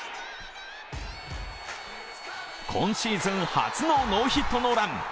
今シーズン初のノーヒットノーラン。